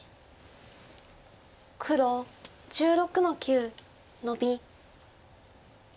黒１６の九ノビ。